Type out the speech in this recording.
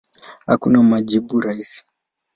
Hakuna majibu rahisi.